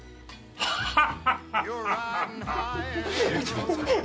アハハハ！